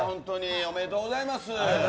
おめでとうございます。